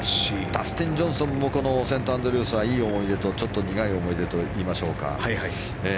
ダスティン・ジョンソンもこのセントアンドリュースはいい思い出と苦い思い出といいましょうか。